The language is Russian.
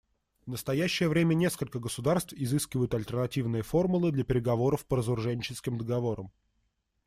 В настоящее время несколько государств изыскивают альтернативные формулы для переговоров по разоруженческим договорам.